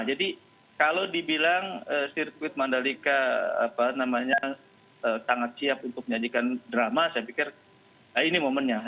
jadi kalau dibilang sirkuit mandali kai sangat siap untuk menyajikan drama saya pikir ini momennya